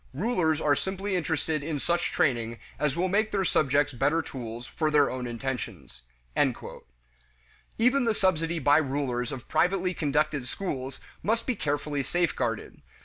Rulers are simply interested in such training as will make their subjects better tools for their own intentions." Even the subsidy by rulers of privately conducted schools must be carefully safeguarded.